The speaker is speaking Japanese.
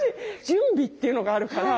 準備っていうのがあるから。